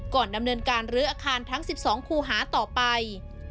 ก่อนดำเนินการลื้ออาคารทั้ง๑๒คูหาต่อไป